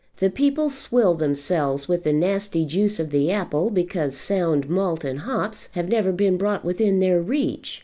The people swill themselves with the nasty juice of the apple because sound malt and hops have never been brought within their reach.